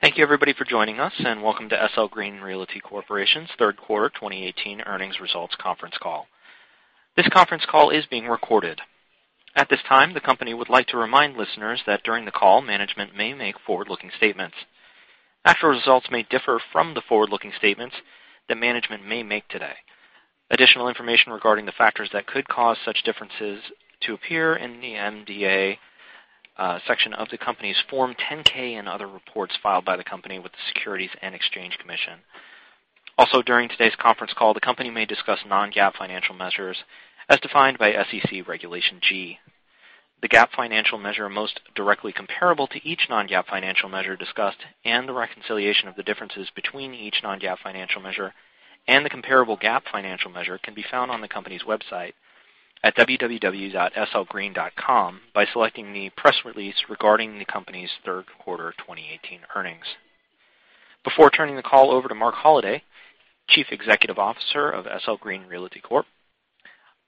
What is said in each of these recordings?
Thank you everybody for joining us, welcome to SL Green Realty Corporation's third quarter 2018 earnings results conference call. This conference call is being recorded. At this time, the company would like to remind listeners that during the call, management may make forward-looking statements. Actual results may differ from the forward-looking statements that management may make today. Additional information regarding the factors that could cause such differences to appear in the MDA section of the company's Form 10-K and other reports filed by the company with the Securities and Exchange Commission. Also, during today's conference call, the company may discuss non-GAAP financial measures as defined by SEC Regulation G. The GAAP financial measure most directly comparable to each non-GAAP financial measure discussed, the reconciliation of the differences between each non-GAAP financial measure and the comparable GAAP financial measure can be found on the company's website at www.slgreen.com by selecting the press release regarding the company's third quarter 2018 earnings. Before turning the call over to Marc Holliday, Chief Executive Officer of SL Green Realty Corp,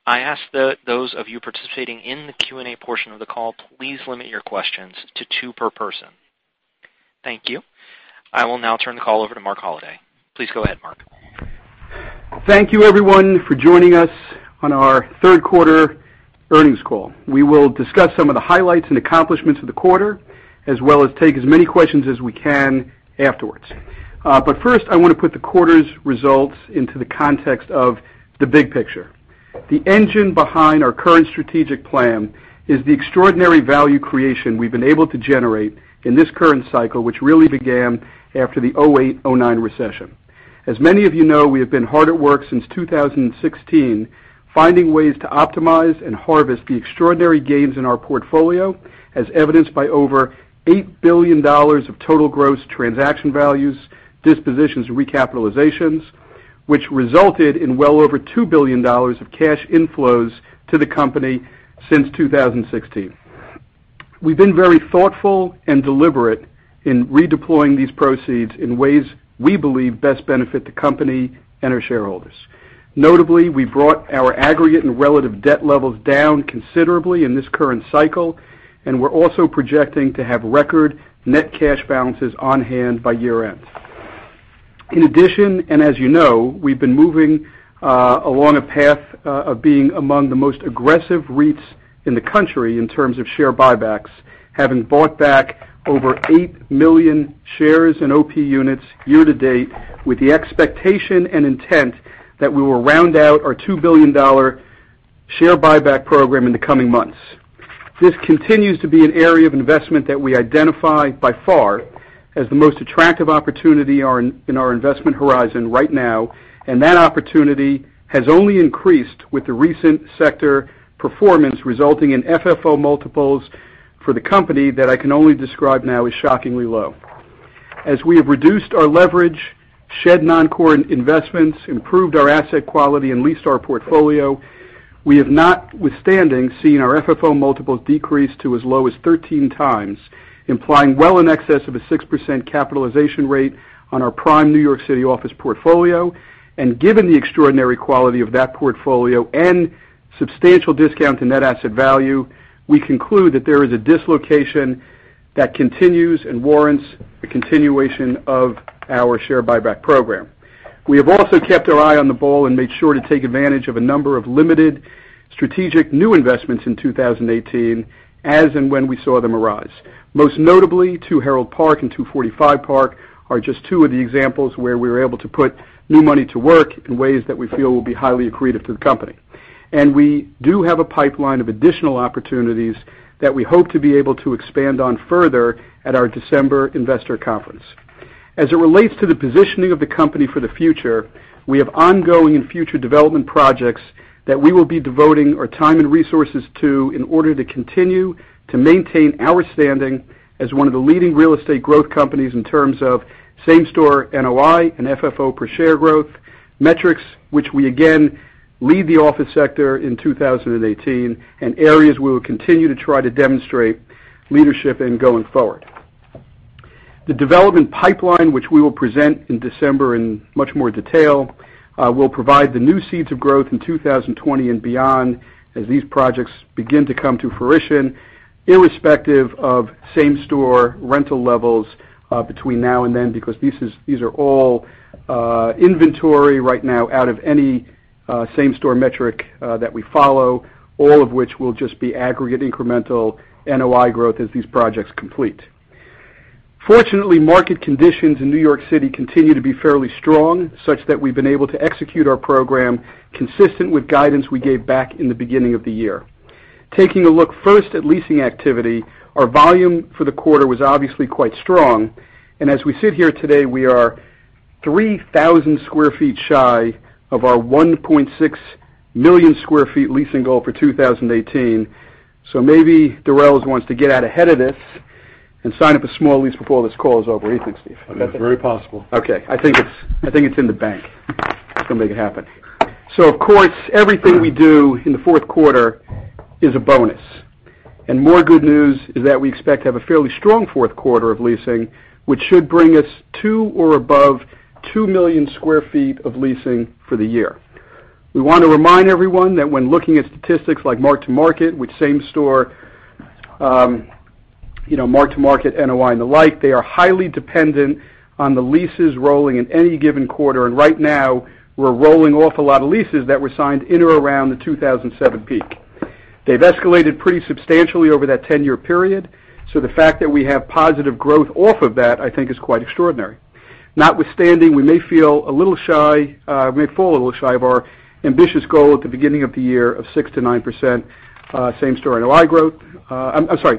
I ask those of you participating in the Q&A portion of the call, please limit your questions to two per person. Thank you. I will now turn the call over to Marc Holliday. Please go ahead, Marc. Thank you everyone for joining us on our third-quarter earnings call. We will discuss some of the highlights and accomplishments of the quarter, as well as take as many questions as we can afterwards. First, I want to put the quarter's results into the context of the big picture. The engine behind our current strategic plan is the extraordinary value creation we've been able to generate in this current cycle, which really began after the 2008, 2009 recession. As many of you know, we have been hard at work since 2016, finding ways to optimize and harvest the extraordinary gains in our portfolio, as evidenced by over $8 billion of total gross transaction values, dispositions, and recapitalizations, which resulted in well over $2 billion of cash inflows to the company since 2016. We've been very thoughtful and deliberate in redeploying these proceeds in ways we believe best benefit the company and our shareholders. Notably, we brought our aggregate and relative debt levels down considerably in this current cycle, we're also projecting to have record net cash balances on-hand by year-end. In addition, as you know, we've been moving along a path of being among the most aggressive REITs in the country in terms of share buybacks, having bought back over 8 million shares in OP units year-to-date, with the expectation and intent that we will round out our $2 billion share buyback program in the coming months. This continues to be an area of investment that we identify by far as the most attractive opportunity in our investment horizon right now. That opportunity has only increased with the recent sector performance, resulting in FFO multiples for the company that I can only describe now as shockingly low. As we have reduced our leverage, shed non-core investments, improved our asset quality, and leased our portfolio, we have notwithstanding seen our FFO multiples decrease to as low as 13x, implying well in excess of a 6% capitalization rate on our prime New York City office portfolio. Given the extraordinary quality of that portfolio and substantial discount to net asset value, we conclude that there is a dislocation that continues and warrants the continuation of our share buyback program. We have also kept our eye on the ball and made sure to take advantage of a number of limited strategic new investments in 2018 as and when we saw them arise. Most notably, 2 Herald Square and 245 Park are just two of the examples where we were able to put new money to work in ways that we feel will be highly accretive to the company. We do have a pipeline of additional opportunities that we hope to be able to expand on further at our December investor conference. As it relates to the positioning of the company for the future, we have ongoing and future development projects that we will be devoting our time and resources to in order to continue to maintain our standing as one of the leading real estate growth companies in terms of same-store NOI and FFO-per-share growth, metrics which we again lead the office sector in 2018, and areas we will continue to try to demonstrate leadership in going forward. The development pipeline, which we will present in December in much more detail, will provide the new seeds of growth in 2020 and beyond as these projects begin to come to fruition, irrespective of same-store rental levels between now and then, because these are all inventory right now out of any same-store metric that we follow, all of which will just be aggregate incremental NOI growth as these projects complete. Fortunately, market conditions in New York City continue to be fairly strong, such that we've been able to execute our program consistent with guidance we gave back in the beginning of the year. Taking a look first at leasing activity, our volume for the quarter was obviously quite strong. As we sit here today, we are 3,000 sq ft shy of our 1.6 million sq ft leasing goal for 2018. Maybe Durels wants to get out ahead of this and sign up a small lease before this call is over. What do you think, Steve? That's very possible. Okay. I think it's in the bank. It's going to make it happen. Of course, everything we do in the fourth quarter is a bonus. More good news is that we expect to have a fairly strong fourth quarter of leasing, which should bring us to or above 2 million square feet of leasing for the year. We want to remind everyone that when looking at statistics like mark-to-market, with same store, mark-to-market NOI and the like, they are highly dependent on the leases rolling in any given quarter. Right now, we're rolling off a lot of leases that were signed in or around the 2007 peak. They've escalated pretty substantially over that 10-year period. The fact that we have positive growth off of that, I think is quite extraordinary. Notwithstanding, we may fall a little shy of our ambitious goal at the beginning of the year of 6%-9% same store NOI growth. I'm sorry,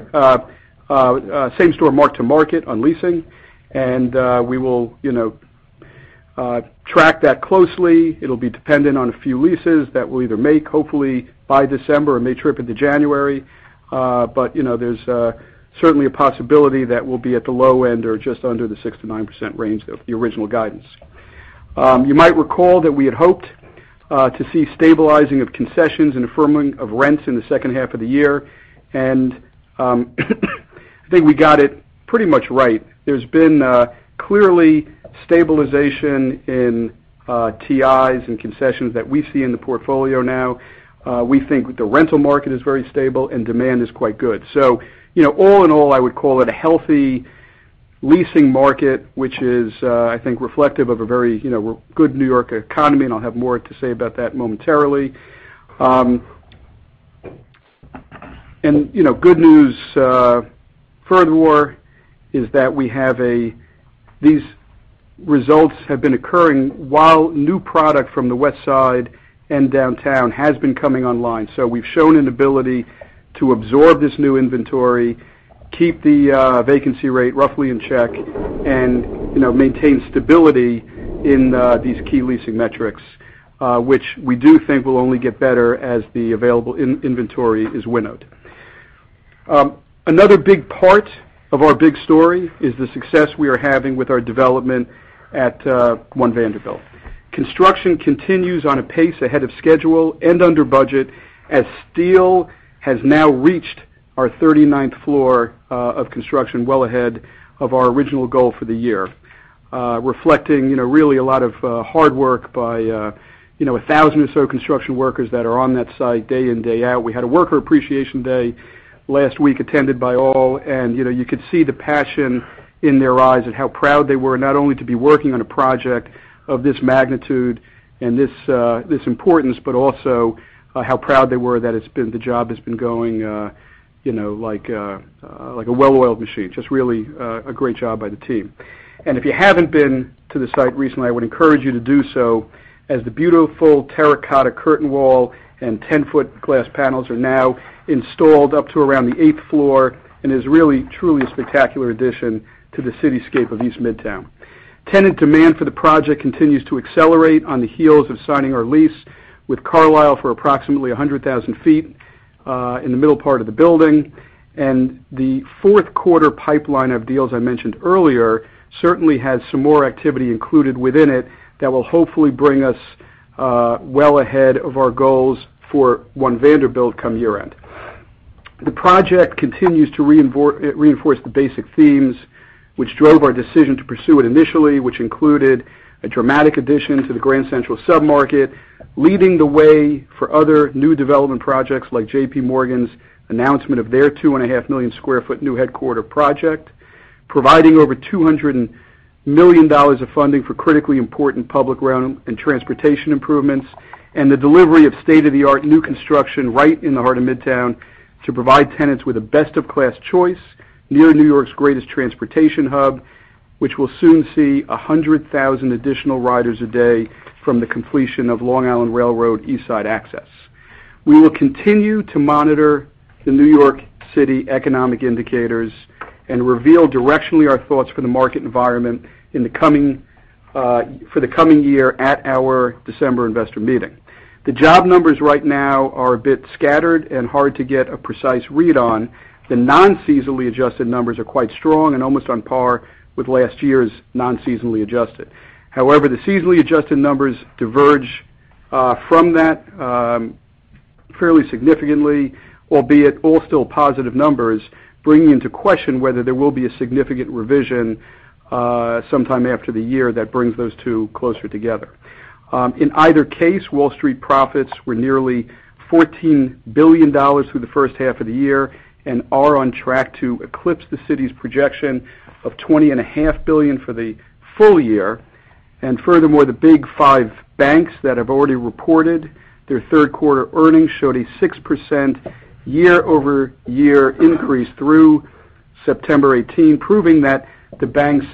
same store mark-to-market on leasing, and we will track that closely. It'll be dependent on a few leases that we'll either make, hopefully by December, or may trip into January. There's certainly a possibility that we'll be at the low end or just under the 6%-9% range of the original guidance. You might recall that we had hoped to see stabilizing of concessions and a firming of rents in the second half of the year, and I think we got it pretty much right. There's been, clearly, stabilization in TIs and concessions that we see in the portfolio now. We think the rental market is very stable and demand is quite good. All in all, I would call it a healthy leasing market, which is, I think, reflective of a very good New York economy, and I'll have more to say about that momentarily. Good news, furthermore, is that these results have been occurring while new product from the West Side and Downtown has been coming online. We've shown an ability to absorb this new inventory, keep the vacancy rate roughly in check, and maintain stability in these key leasing metrics, which we do think will only get better as the available inventory is winnowed. Another big part of our big story is the success we are having with our development at One Vanderbilt. Construction continues on a pace ahead of schedule and under budget, as steel has now reached our 39th floor of construction well ahead of our original goal for the year. Reflecting really a lot of hard work by 1,000 or so construction workers that are on that site day in, day out. We had a worker appreciation day last week attended by all, and you could see the passion in their eyes and how proud they were, not only to be working on a project of this magnitude and this importance, but also how proud they were that the job has been going like a well-oiled machine. Just really a great job by the team. If you haven't been to the site recently, I would encourage you to do so, as the beautiful terracotta curtain wall and 10-foot glass panels are now installed up to around the eighth floor and is really, truly a spectacular addition to the cityscape of East Midtown. Tenant demand for the project continues to accelerate on the heels of signing our lease with Carlyle for approximately 100,000 feet in the middle part of the building. The fourth quarter pipeline of deals I mentioned earlier certainly has some more activity included within it that will hopefully bring us well ahead of our goals for One Vanderbilt come year-end. The project continues to reinforce the basic themes which drove our decision to pursue it initially, which included a dramatic addition to the Grand Central sub-market, leading the way for other new development projects like JPMorgan's announcement of their two and a half million square foot new headquarter project, providing over $200 million of funding for critically important public realm and transportation improvements, and the delivery of state-of-the-art new construction right in the heart of Midtown to provide tenants with a best-of-class choice near New York's greatest transportation hub, which will soon see 100,000 additional riders a day from the completion of Long Island Railroad East Side Access. We will continue to monitor the New York City economic indicators and reveal directionally our thoughts for the market environment for the coming year at our December investor meeting. The job numbers right now are a bit scattered and hard to get a precise read on. The non-seasonally adjusted numbers are quite strong and almost on par with last year's non-seasonally adjusted. However, the seasonally adjusted numbers diverge from that fairly significantly, albeit all still positive numbers, bringing into question whether there will be a significant revision sometime after the year that brings those two closer together. In either case, Wall Street profits were nearly $14 billion through the first half of the year and are on track to eclipse the city's projection of $20.5 billion for the full year. Furthermore, the Big Five banks that have already reported their third quarter earnings showed a 6% year-over-year increase through September 18, proving that the banks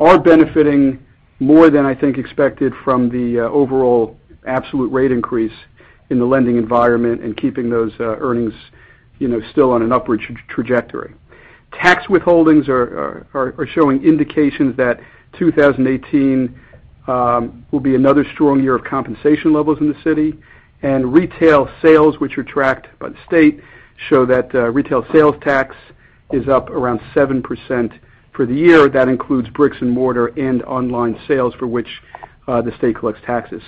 are benefiting more than I think expected from the overall absolute rate increase in the lending environment and keeping those earnings still on an upward trajectory. Tax withholdings are showing indications that 2018 will be another strong year of compensation levels in the city. Retail sales, which are tracked by the state, show that retail sales tax is up around 7% for the year. That includes bricks and mortar and online sales, for which the state collects taxes.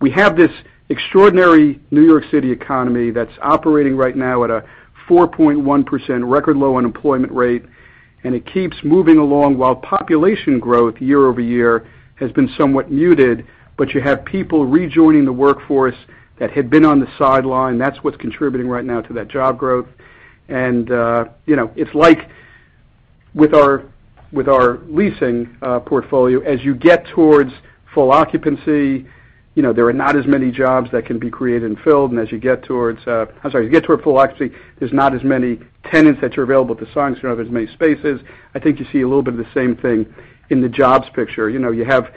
We have this extraordinary New York City economy that's operating right now at a 4.1% record low unemployment rate. It keeps moving along, while population growth year-over-year has been somewhat muted, but you have people rejoining the workforce that had been on the sideline. That's what's contributing right now to that job growth. It's like with our leasing portfolio, as you get towards full occupancy, there are not as many jobs that can be created and filled. As you get toward full occupancy, there's not as many tenants that you're available to sign, so there not as many spaces. I think you see a little bit of the same thing in the jobs picture. You have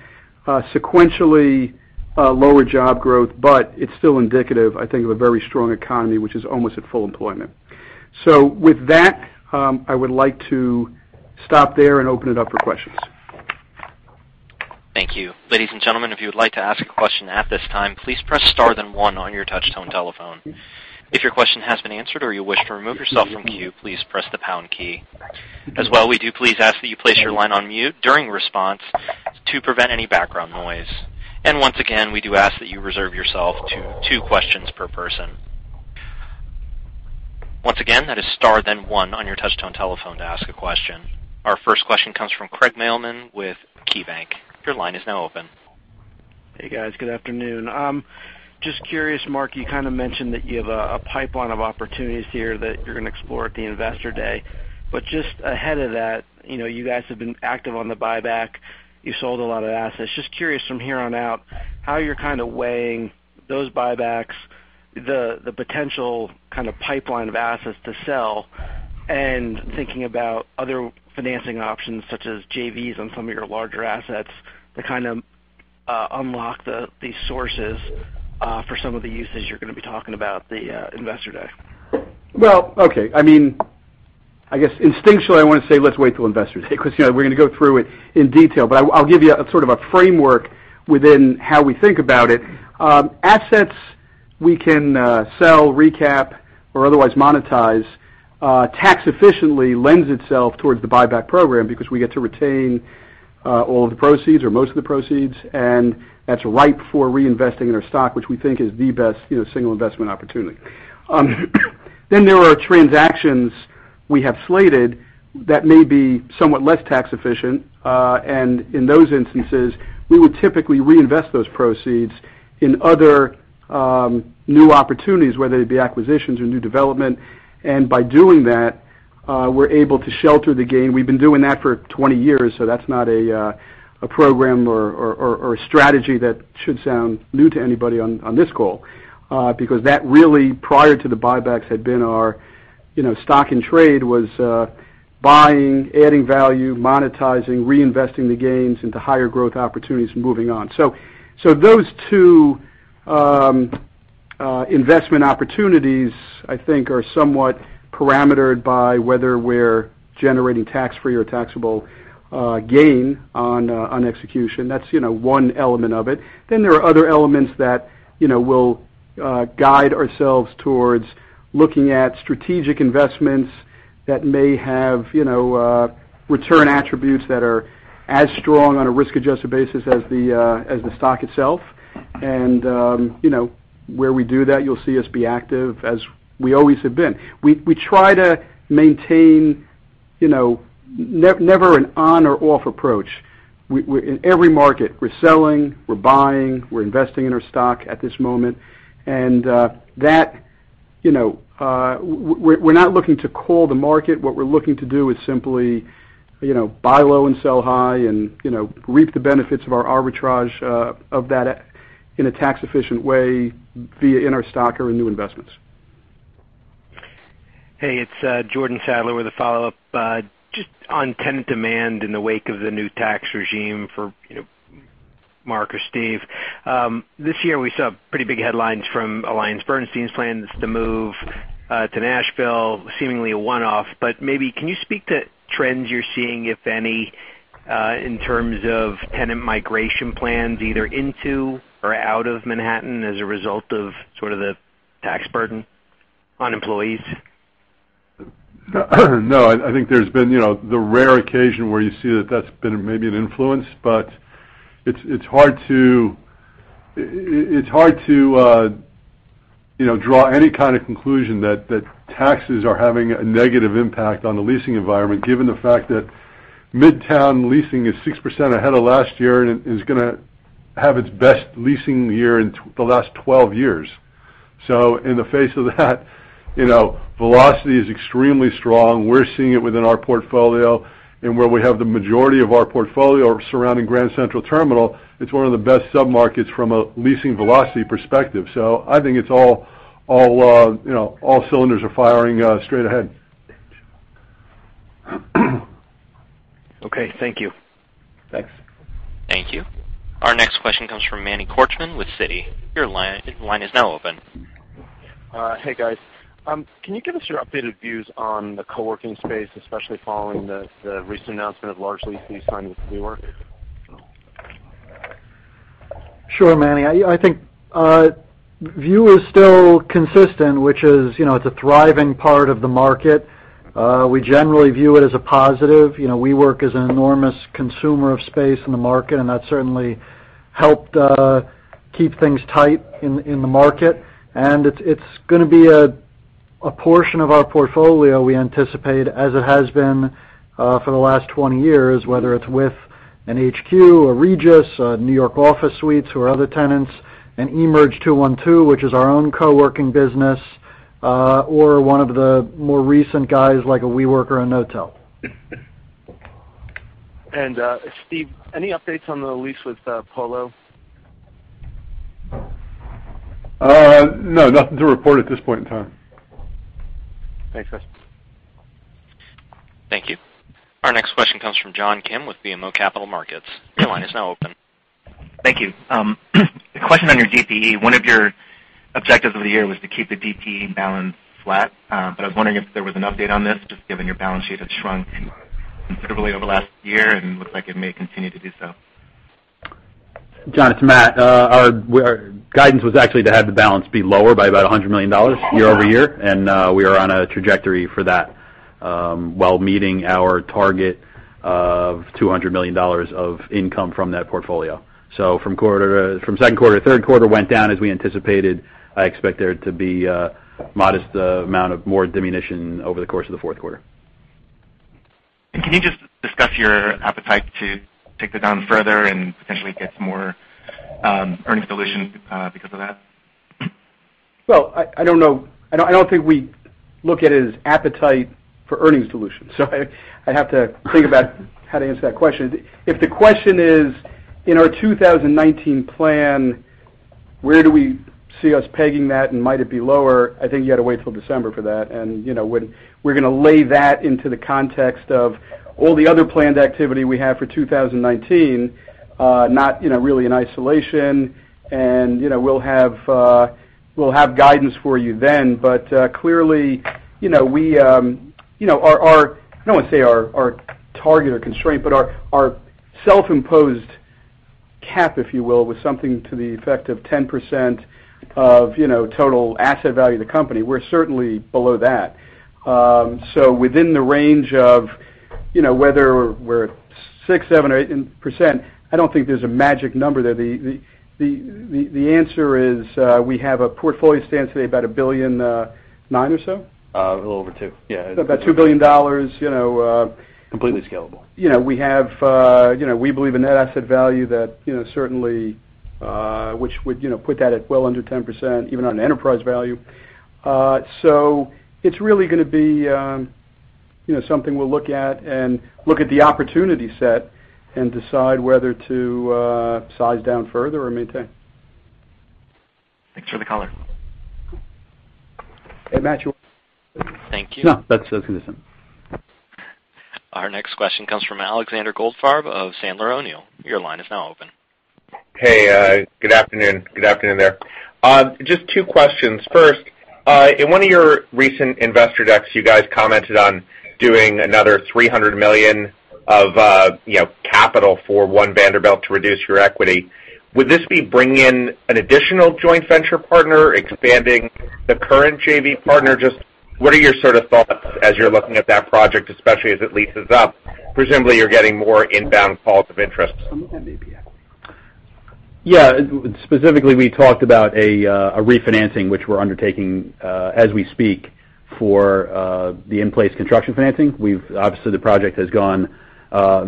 sequentially lower job growth, but it's still indicative, I think, of a very strong economy, which is almost at full employment. With that, I would like to stop there and open it up for questions. Thank you. Ladies and gentlemen, if you would like to ask a question at this time, please press star then one on your touch-tone telephone. If your question has been answered or you wish to remove yourself from queue, please press the pound key. As well, we do please ask that you place your line on mute during response to prevent any background noise. Once again, we do ask that you reserve yourself to two questions per person. Once again, that is star then one on your touch-tone telephone to ask a question. Our first question comes from Craig Mailman with KeyBank. Your line is now open. Hey, guys. Good afternoon. Just curious, Marc, you kind of mentioned that you have a pipeline of opportunities here that you're going to explore at the Investor Day. Just ahead of that, you guys have been active on the buyback. You sold a lot of assets. Just curious from here on out, how you're kind of weighing those buybacks, the potential kind of pipeline of assets to sell, and thinking about other financing options such as JVs on some of your larger assets to kind of unlock these sources for some of the uses you're going to be talking about at the Investor Day. Well, okay. I guess instinctually, I want to say let's wait till Investor Day because we're going to go through it in detail. I'll give you a sort of a framework within how we think about it. Assets we can sell, recap, or otherwise monetize tax efficiently lends itself towards the buyback program because we get to retain all of the proceeds or most of the proceeds, and that's ripe for reinvesting in our stock, which we think is the best single investment opportunity. There are transactions we have slated that may be somewhat less tax efficient. In those instances, we would typically reinvest those proceeds in other new opportunities, whether they be acquisitions or new development. By doing that, we're able to shelter the gain. We've been doing that for 20 years. That's not a program or a strategy that should sound new to anybody on this call. That really, prior to the buybacks, had been our stock in trade was buying, adding value, monetizing, reinvesting the gains into higher growth opportunities, and moving on. Those two investment opportunities, I think, are somewhat parametered by whether we're generating tax-free or taxable gain on execution. That's one element of it. There are other elements that we'll guide ourselves towards looking at strategic investments that may have return attributes that are as strong on a risk-adjusted basis as the stock itself. Where we do that, you'll see us be active as we always have been. We try to maintain never an on or off approach. In every market, we're selling, we're buying, we're investing in our stock at this moment. We're not looking to call the market. What we're looking to do is simply buy low and sell high and reap the benefits of our arbitrage of that in a tax-efficient way, be it in our stock or in new investments. Hey, it's Jordan Sadler with a follow-up. Just on tenant demand in the wake of the new tax regime for Mark or Steve. This year, we saw pretty big headlines from AllianceBernstein's plans to move to Nashville, seemingly a one-off. Maybe can you speak to trends you're seeing, if any, in terms of tenant migration plans, either into or out of Manhattan as a result of sort of the tax burden on employees? I think there's been the rare occasion where you see that that's been maybe an influence, but it's hard to draw any kind of conclusion that taxes are having a negative impact on the leasing environment, given the fact that Midtown leasing is 6% ahead of last year and is going to have its best leasing year in the last 12 years. In the face of that, velocity is extremely strong. We're seeing it within our portfolio. Where we have the majority of our portfolio surrounding Grand Central Terminal, it's one of the best sub-markets from a leasing velocity perspective. I think it's all cylinders are firing straight ahead. Okay. Thank you. Thanks. Thank you. Our next question comes from Manny Korchman with Citi. Your line is now open. Hey, guys. Can you give us your updated views on the co-working space, especially following the recent announcement of Large Lease signed with WeWork? Sure, Manny. I think view is still consistent, which is it's a thriving part of the market. We generally view it as a positive. WeWork is an enormous consumer of space in the market, and that certainly helped keep things tight in the market, and it's going to be a portion of our portfolio we anticipate, as it has been for the last 20 years, whether it's with an HQ, a Regus, a New York Office Suites, or other tenants, an Emerge212, which is our own co-working business, or one of the more recent guys, like a WeWork or a Knotel. Steve, any updates on the lease with Polo? No, nothing to report at this point in time. Thanks, guys. Thank you. Our next question comes from John Kim with BMO Capital Markets. Your line is now open. Thank you. A question on your DPE. One of your objectives of the year was to keep the DPE balance flat, I was wondering if there was an update on this, just given your balance sheet has shrunk considerably over last year and looks like it may continue to do so. John, it's Matt. Our guidance was actually to have the balance be lower by about $100 million year-over-year, we are on a trajectory for that, while meeting our target of $200 million of income from that portfolio. From second quarter to third quarter, went down as we anticipated. I expect there to be a modest amount of more diminution over the course of the fourth quarter. Can you just discuss your appetite to take that down further and potentially get some more earnings dilution because of that? I don't think we look at it as appetite for earnings dilution, I'd have to think about how to answer that question. If the question is in our 2019 plan, where do we see us pegging that, and might it be lower, I think you got to wait till December for that. We're going to lay that into the context of all the other planned activity we have for 2019, not really in isolation. We'll have guidance for you then. Clearly, I don't want to say our target or constraint, but our self-imposed cap, if you will, was something to the effect of 10% of total asset value of the company. We're certainly below that. Within the range of whether we're 6%, 7% or 8%, I don't think there's a magic number there. The answer is we have a portfolio stance today of about $1.9 billion or so? A little over $2 billion. Yeah. About $2 billion. Completely scalable. We believe in net asset value, certainly, which would put that at well under 10%, even on enterprise value. It's really going to be something we'll look at and look at the opportunity set and decide whether to size down further or maintain. Thanks for the color. Hey, Matt Thank you. No, that's consistent. Our next question comes from Alexander Goldfarb of Sandler O'Neill. Your line is now open. Hey, good afternoon there. Just two questions. First, in one of your recent investor decks, you guys commented on doing another $300 million of capital for One Vanderbilt to reduce your equity. Would this be bringing in an additional joint venture partner, expanding the current JV partner? Just what are your sort of thoughts as you're looking at that project, especially as it leases up? Presumably, you're getting more inbound calls of interest. Yeah. Specifically, we talked about a refinancing, which we're undertaking as we speak, for the in-place construction financing. Obviously, the project has gone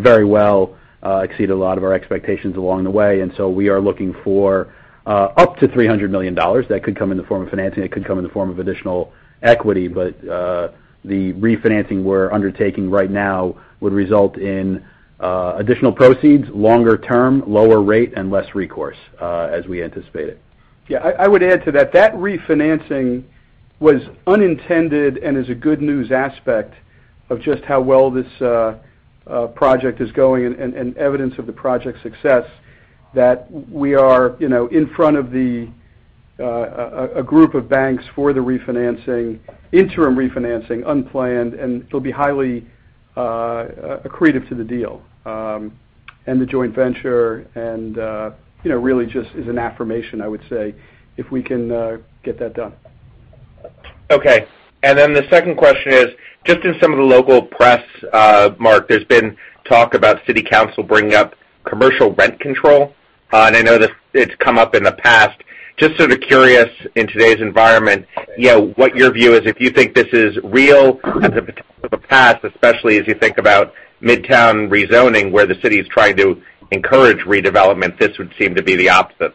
very well, exceeded a lot of our expectations along the way. We are looking for up to $300 million. That could come in the form of financing, it could come in the form of additional equity. The refinancing we're undertaking right now would result in additional proceeds, longer term, lower rate, and less recourse as we anticipated. Yeah, I would add to that refinancing was unintended and is a good news aspect of just how well this project is going and evidence of the project's success that we are in front of a group of banks for the refinancing, interim refinancing, unplanned, and it'll be highly accretive to the deal and the joint venture and really just is an affirmation, I would say, if we can get that done. Okay. The second question is, just in some of the local press, Marc, there's been talk about City Council bringing up commercial rent control, and I know that it's come up in the past. Just sort of curious in today's environment, what your view is, if you think this is real as a potential for the past, especially as you think about Midtown rezoning, where the city is trying to encourage redevelopment, this would seem to be the opposite.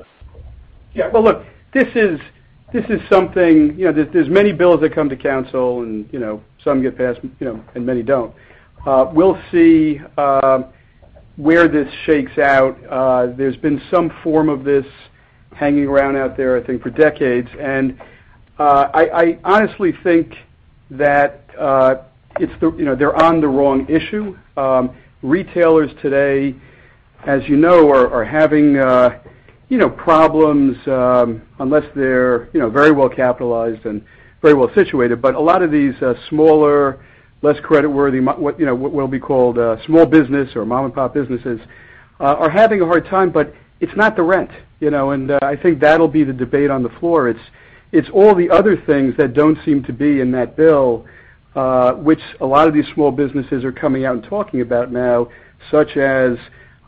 Yeah. Well, look, there's many bills that come to Council. Some get passed, many don't. We'll see where this shakes out. There's been some form of this hanging around out there, I think, for decades. I honestly think that they're on the wrong issue. Retailers today, as you know, are having problems, unless they're very well capitalized and very well situated. A lot of these smaller, less creditworthy, what will be called small business or mom-and-pop businesses, are having a hard time, but it's not the rent. I think that'll be the debate on the floor. It's all the other things that don't seem to be in that bill which a lot of these small businesses are coming out and talking about now, such as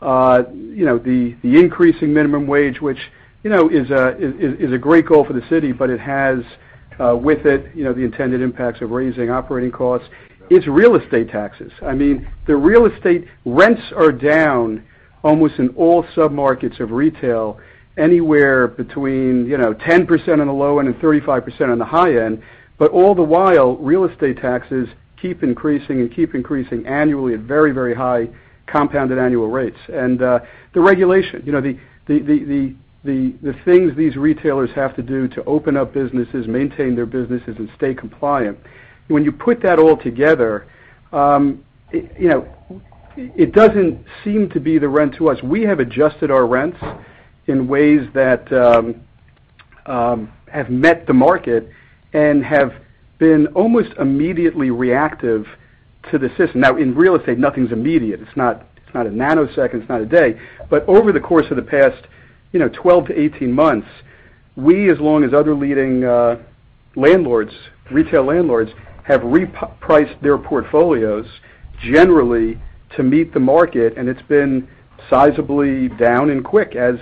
the increasing minimum wage, which is a great goal for the city, but it has with it, the intended impacts of raising operating costs. It's real estate taxes. The real estate rents are down almost in all sub-markets of retail, anywhere between 10% on the low end and 35% on the high end. All the while, real estate taxes keep increasing annually at very, very high compounded annual rates. The regulation, the things these retailers have to do to open up businesses, maintain their businesses, and stay compliant. When you put that all together, it doesn't seem to be the rent to us. We have adjusted our rents in ways that have met the market and have been almost immediately reactive to the system. In real estate, nothing's immediate. It's not a nanosecond, it's not a day. Over the course of the past 12 to 18 months, we, as long as other leading retail landlords, have repriced their portfolios generally to meet the market, and it's been sizably down and quick as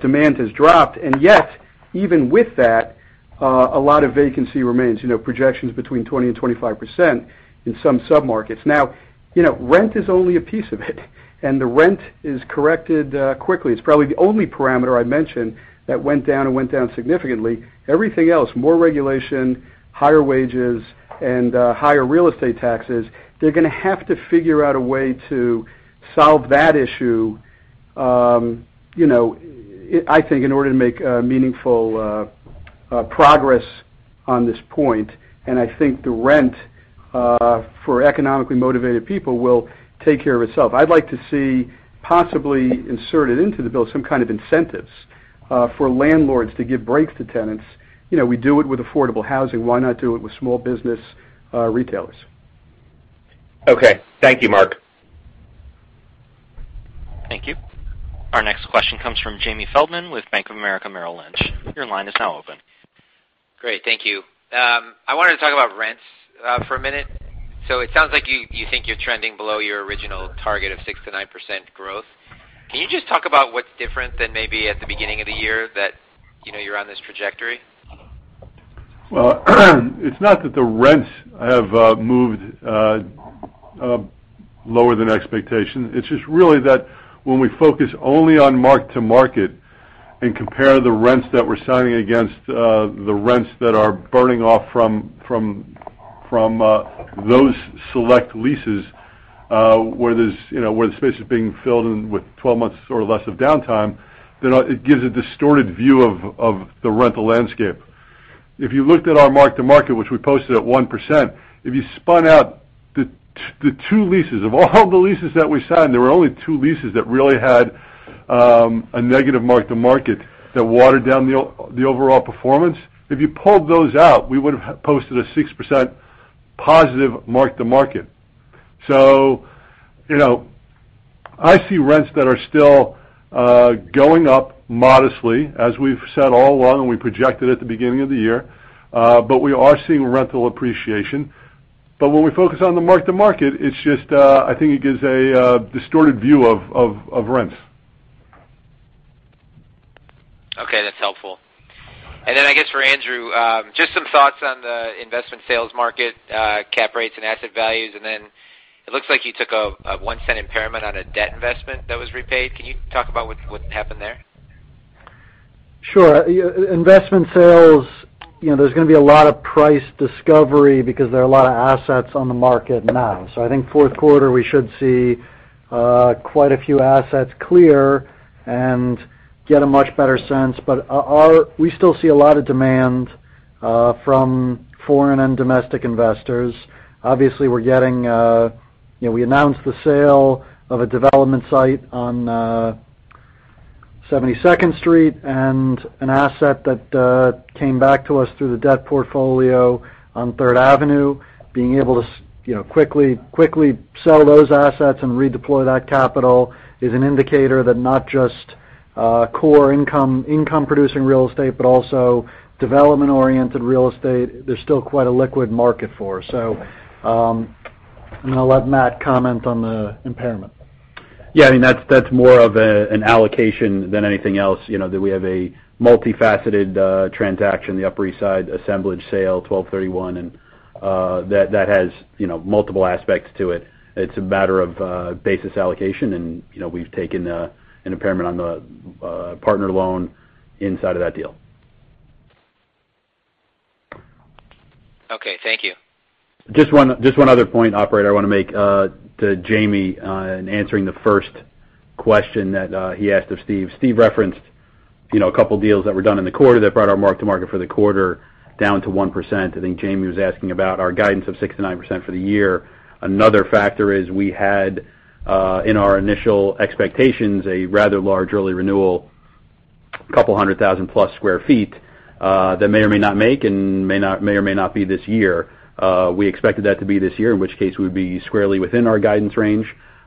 demand has dropped. Yet, even with that, a lot of vacancy remains, projections between 20%-25% in some sub-markets. Rent is only a piece of it, and the rent is corrected quickly. It's probably the only parameter I mentioned that went down significantly. Everything else, more regulation, higher wages, and higher real estate taxes, they're going to have to figure out a way to solve that issue, I think, in order to make meaningful progress on this point. I think the rent for economically motivated people will take care of itself. I'd like to see, possibly inserted into the bill, some kind of incentives for landlords to give breaks to tenants. We do it with affordable housing. Why not do it with small business retailers? Thank you, Marc. Thank you. Our next question comes from Jamie Feldman with Bank of America Merrill Lynch. Your line is now open. Great. Thank you. I wanted to talk about rents for a minute. It sounds like you think you're trending below your original target of 6%-9% growth. Can you just talk about what's different than maybe at the beginning of the year that you're on this trajectory? Well, it's not that the rents have moved lower than expectation. It's just really that when we focus only on mark-to-market and compare the rents that we're signing against the rents that are burning off from those select leases where the space is being filled in with 12 months or less of downtime, then it gives a distorted view of the rental landscape. If you looked at our mark-to-market, which we posted at 1%, if you spun out the two leases, of all the leases that we signed, there were only two leases that really had a negative mark-to-market that watered down the overall performance. If you pulled those out, we would've posted a 6% positive mark-to-market. I see rents that are still going up modestly, as we've said all along, and we projected at the beginning of the year. We are seeing rental appreciation. When we focus on the mark-to-market, I think it gives a distorted view of rents. Okay, that's helpful. I guess for Andrew, just some thoughts on the investment sales market, cap rates, and asset values. It looks like you took a $0.01 impairment on a debt investment that was repaid. Can you talk about what happened there? Sure. Investment sales, there's going to be a lot of price discovery because there are a lot of assets on the market now. I think fourth quarter, we should see quite a few assets clear and get a much better sense. We still see a lot of demand from foreign and domestic investors. Obviously, we announced the sale of a development site on 72nd Street and an asset that came back to us through the debt portfolio on Third Avenue. Being able to quickly sell those assets and redeploy that capital is an indicator that not just core income-producing real estate, but also development-oriented real estate, there's still quite a liquid market for. I'm going to let Matt comment on the impairment. Yeah, that's more of an allocation than anything else, that we have a multifaceted transaction, the Upper East Side assemblage sale, 1231, that has multiple aspects to it. It's a matter of basis allocation, and we've taken an impairment on the partner loan inside of that deal. Okay, thank you. Just one other point, operator, I want to make to Jamie in answering the first question that he asked of Steve. Steve referenced a couple deals that were done in the quarter that brought our mark-to-market for the quarter down to 1%. I think Jamie was asking about our guidance of 6%-9% for the year. Another factor is we had, in our initial expectations, a rather large early renewal, a couple hundred thousand+ sq ft, that may or may not make and may or may not be this year. We expected that to be this year, in which case we would be squarely within our guidance range.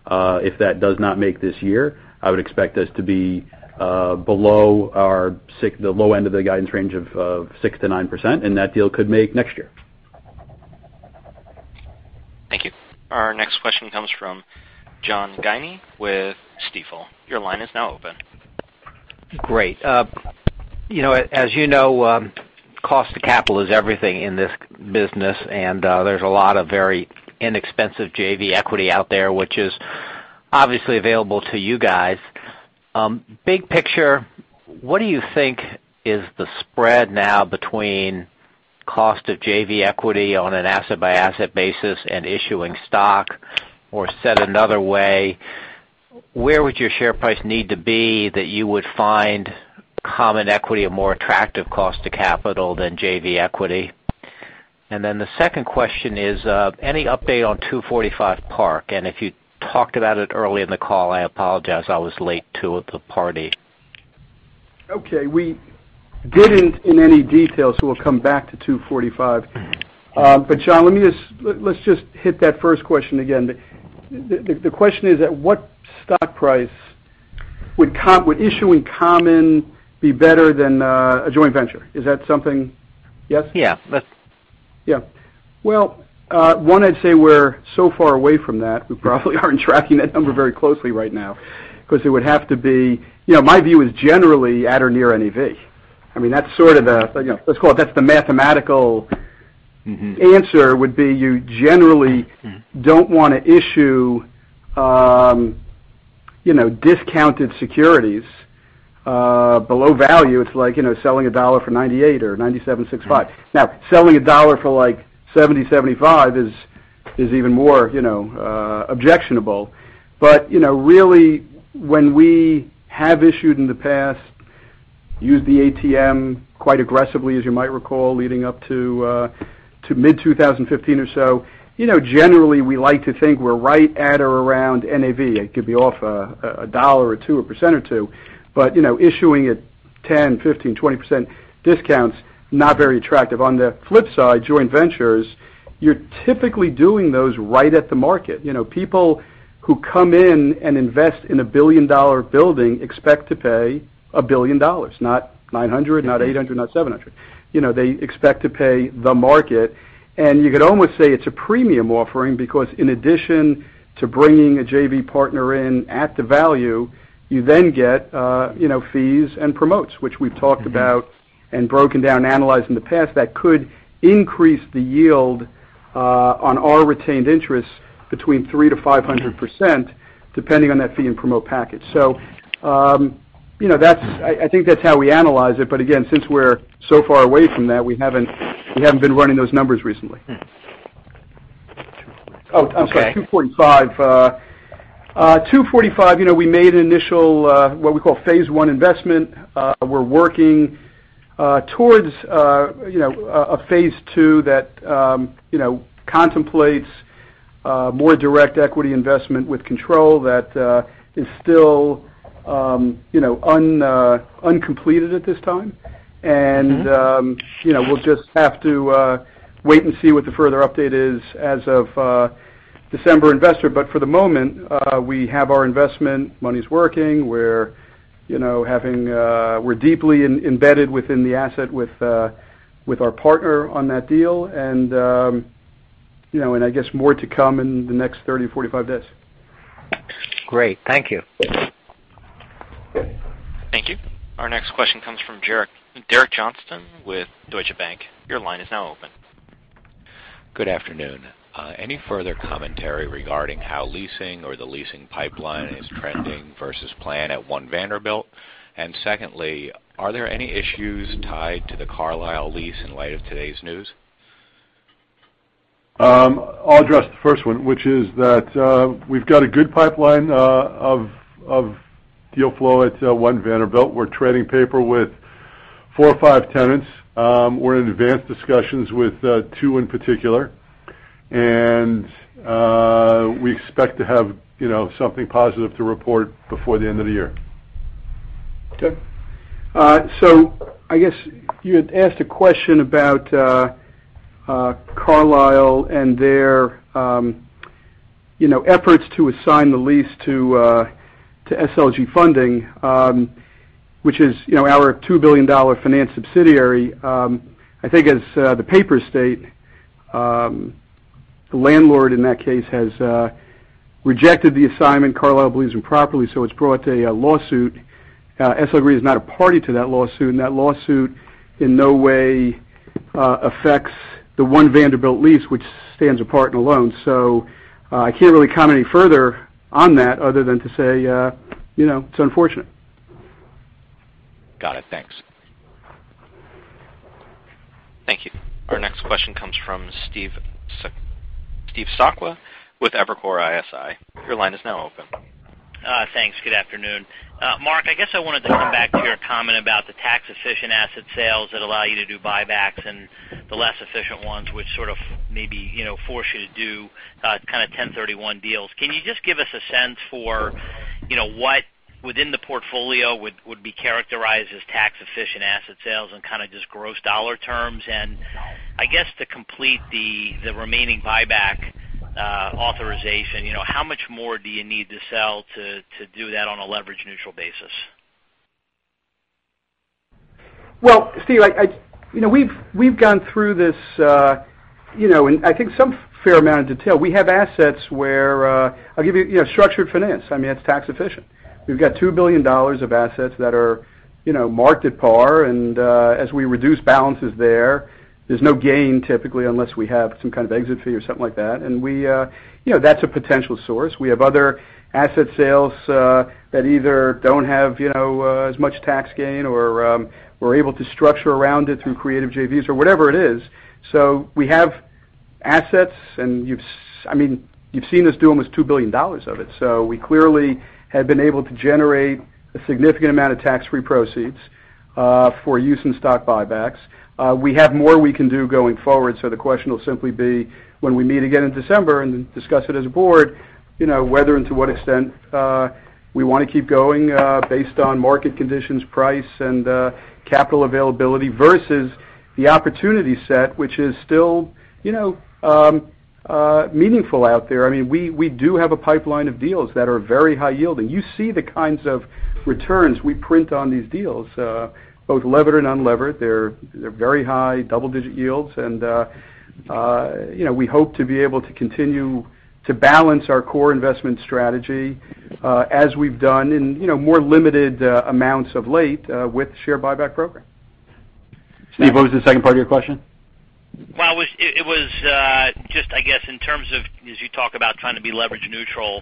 If that does not make this year, I would expect us to be below the low end of the guidance range of 6%-9%, and that deal could make next year. Thank you. Our next question comes from John Guinee with Stifel. Your line is now open. Great. As you know, cost to capital is everything in this business, and there's a lot of very inexpensive JV equity out there, which is obviously available to you guys. Big picture, what do you think is the spread now between cost of JV equity on an asset-by-asset basis and issuing stock? Said another way, where would your share price need to be that you would find common equity a more attractive cost to capital than JV equity? The second question is, any update on 245 Park? If you talked about it early in the call, I apologize. I was late to the party. Okay. We didn't in any detail, we'll come back to 245. John, let's just hit that first question again. The question is, at what stock price would issuing common be better than a joint venture? Is that something Yes? Yeah. Yeah. Well, one, I'd say we're so far away from that, we probably aren't tracking that number very closely right now, because it would have to be. My view is generally at or near NAV. Let's call it, that's the mathematical answer. You generally don't want to issue discounted securities below value. It's like selling a dollar for $0.98 or $0.97, $0.65. Selling a dollar for like $0.70, $0.75 is even more objectionable. Really, when we have issued in the past, used the ATM quite aggressively, as you might recall, leading up to mid-2015 or so, generally, we like to think we're right at or around NAV. It could be off a dollar or two, a percent or two, but issuing at 10%, 15%, 20% discount's not very attractive. On the flip side, joint ventures, you're typically doing those right at the market. People who come in and invest in a billion-dollar building expect to pay a billion dollars, not $900, not $800, not $700. They expect to pay the market, and you could almost say it's a premium offering, because in addition to bringing a JV partner in at the value, you then get fees and promotes, which we've talked about and broken down and analyzed in the past, that could increase the yield on our retained interest between 3%-500%, depending on that fee and promote package. I think that's how we analyze it, but again, since we're so far away from that, we haven't been running those numbers recently. Oh, I'm sorry. 245. 245, we made an initial, what we call, phase-one investment. We're working towards a phase two that contemplates more direct equity investment with control that is still uncompleted at this time. We'll just have to wait and see what the further update is as of December investor. For the moment, we have our investment, money's working. We're deeply embedded within the asset with our partner on that deal. I guess more to come in the next 30 to 45 days. Great. Thank you. Thank you. Our next question comes from Derek Johnston with Deutsche Bank. Your line is now open. Good afternoon. Any further commentary regarding how leasing or the leasing pipeline is trending versus plan at One Vanderbilt? Secondly, are there any issues tied to the Carlyle lease in light of today's news? I'll address the first one, which is that we've got a good pipeline of deal flow at One Vanderbilt. We're trading paper with four or five tenants. We're in advanced discussions with two in particular, and we expect to have something positive to report before the end of the year. I guess you had asked a question about Carlyle and their efforts to assign the lease to SLG Funding, which is our $2 billion finance subsidiary. I think as the papers state, the landlord in that case has rejected the assignment, Carlyle believes improperly, so it's brought a lawsuit. SLG is not a party to that lawsuit, and that lawsuit in no way affects the One Vanderbilt lease, which stands apart and alone. I can't really comment any further on that other than to say it's unfortunate. Got it. Thanks. Thank you. Our next question comes from Steve Sakwa with Evercore ISI. Your line is now open. Thanks. Good afternoon. Marc, I guess I wanted to come back to your comment about the tax-efficient asset sales that allow you to do buybacks and the less efficient ones, which sort of maybe force you to do kind of 1031 deals. Can you just give us a sense for what within the portfolio would be characterized as tax-efficient asset sales and kind of just gross dollar terms? I guess to complete the remaining buyback authorization, how much more do you need to sell to do that on a leverage-neutral basis? Well, Steve, we've gone through this in, I think, some fair amount of detail. We have assets where I'll give you structured finance. It's tax efficient. We've got $2 billion of assets that are marked at par, and as we reduce balances there's no gain typically unless we have some kind of exit fee or something like that. That's a potential source. We have other asset sales that either don't have as much tax gain, or we're able to structure around it through creative JVs, or whatever it is. We have assets, and you've seen us do almost $2 billion of it. We clearly have been able to generate a significant amount of tax-free proceeds for use in stock buybacks. We have more we can do going forward. The question will simply be, when we meet again in December and discuss it as a board, whether and to what extent we want to keep going based on market conditions, price, and capital availability, versus the opportunity set, which is still meaningful out there. We do have a pipeline of deals that are very high yielding. You see the kinds of returns we print on these deals both levered and unlevered. They're very high double-digit yields, and we hope to be able to continue to balance our core investment strategy as we've done in more limited amounts of late with the share buyback program. Steve, what was the second part of your question? Well, it was just, I guess, in terms of, as you talk about trying to be leverage neutral.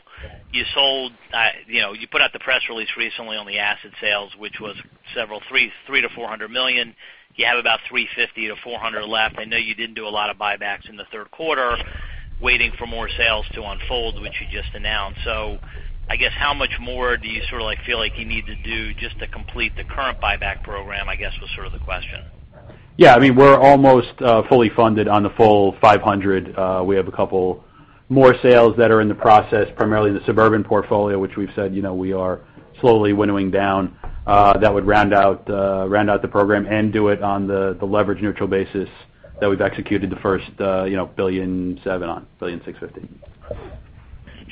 You put out the press release recently on the asset sales, which was several, $300 million-$400 million. You have about $350 million-$400 million left. I know you didn't do a lot of buybacks in the third quarter, waiting for more sales to unfold, which you just announced. I guess how much more do you sort of feel like you need to do just to complete the current buyback program, I guess, was sort of the question. Yeah. We're almost fully funded on the full $500. We have a couple more sales that are in the process, primarily the suburban portfolio, which we've said we are slowly winnowing down. That would round out the program and do it on the leverage neutral basis that we've executed the first $1.7 billion on, $1.65 billion. Okay.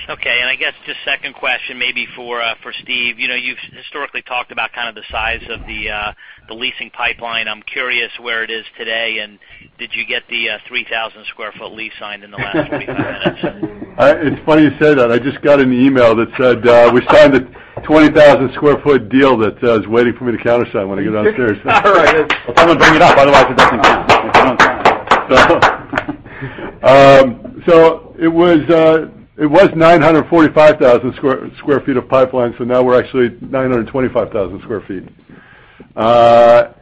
I guess just second question maybe for Steve. You've historically talked about kind of the size of the leasing pipeline. I'm curious where it is today, and did you get the 3,000 sq ft lease signed in the last week? It's funny you say that. I just got an email that said we signed a 20,000 sq ft deal that is waiting for me to countersign when I get downstairs. All right. Well, someone bring it up. Otherwise, it doesn't count. It doesn't count. It was 945,000 sq ft of pipeline. Now we're actually 925,000 sq ft.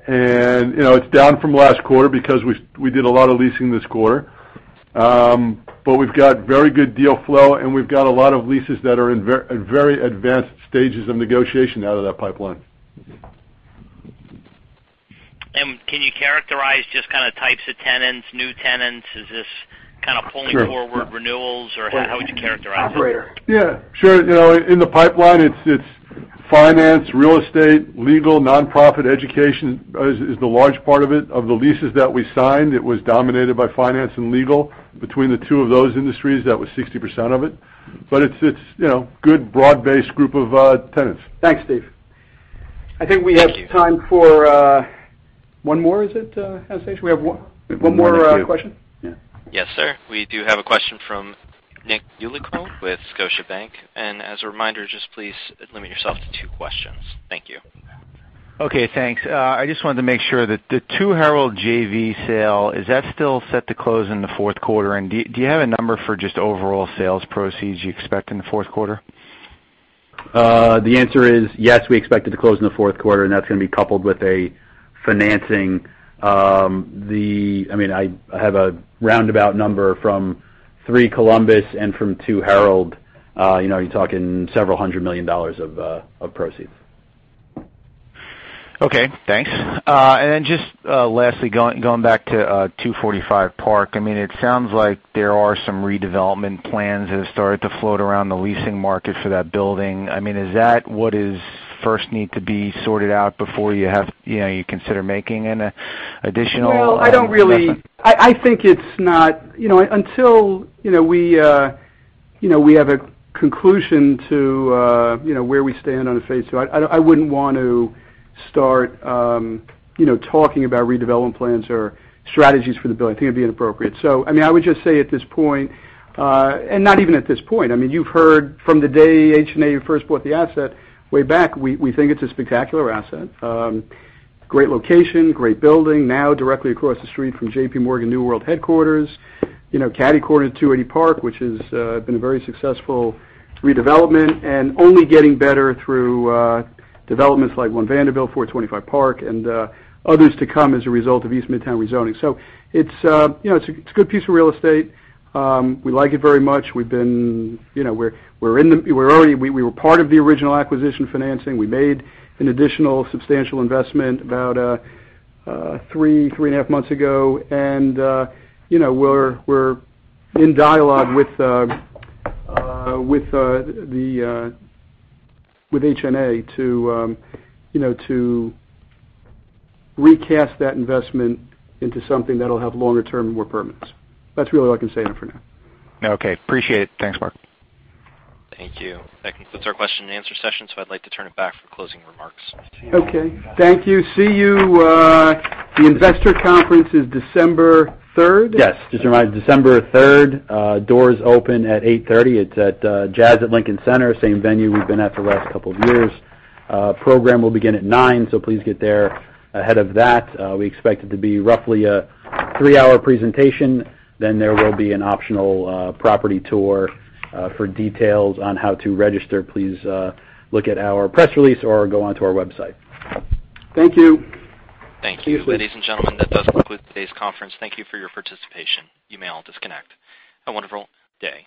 It's down from last quarter because we did a lot of leasing this quarter. We've got very good deal flow, and we've got a lot of leases that are in very advanced stages of negotiation out of that pipeline. Can you characterize just kind of types of tenants, new tenants? Is this kind of pulling forward renewals or how would you characterize it? Operator? Yeah, sure. In the pipeline, it's finance, real estate, legal, nonprofit education is the large part of it. Of the leases that we signed, it was dominated by finance and legal. Between the two of those industries, that was 60% of it. It's good broad-based group of tenants. Thanks, Steve. I think we have time for one more. Is it, Anastasia? We have one more question? Yes, sir. We do have a question from Nicholas Yulico with Scotiabank. As a reminder, just please limit yourself to two questions. Thank you. Okay, thanks. I just wanted to make sure that the Two Herald JV sale, is that still set to close in the fourth quarter? Do you have a number for just overall sales proceeds you expect in the fourth quarter? The answer is yes, we expect it to close in the fourth quarter, and that's going to be coupled with a financing. I have a roundabout number from Three Columbus and from Two Herald. You're talking several hundred million dollars of proceeds. Okay, thanks. Just lastly, going back to 245 Park, it sounds like there are some redevelopment plans that have started to float around the leasing market for that building. Is that what is first need to be sorted out before you consider making an additional investment? Well, I think it's not until we have a conclusion to where we stand on a phase two, I wouldn't want to start talking about redevelopment plans or strategies for the building. I think it'd be inappropriate. I would just say at this point, and not even at this point, you've heard from the day HNA first bought the asset way back, we think it's a spectacular asset. Great location, great building. Now directly across the street from JPMorgan new world headquarters, catty-corner to 280 Park, which has been a very successful redevelopment and only getting better through developments like One Vanderbilt, 425 Park, and others to come as a result of East Midtown rezoning. It's a good piece of real estate. We like it very much. We were part of the original acquisition financing. We made an additional substantial investment about three and a half months ago. We're in dialogue with HNA to recast that investment into something that'll have longer term and more permanence. That's really all I can say on it for now. Okay. Appreciate it. Thanks, Marc. Thank you. That concludes our question and answer session. I'd like to turn it back for closing remarks. Okay. Thank you. See you, the investor conference is December 3rd? Yes. Just a reminder, December 3rd. Doors open at 8:30. It's at Jazz at Lincoln Center, same venue we've been at for the last couple of years. Program will begin at 9:00, please get there ahead of that. We expect it to be roughly a three-hour presentation. There will be an optional property tour. For details on how to register, please look at our press release or go onto our website. Thank you. Thank you. Ladies and gentlemen, that does conclude today's conference. Thank you for your participation. You may all disconnect. Have a wonderful day.